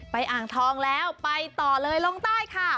อ่างทองแล้วไปต่อเลยลงใต้ค่ะ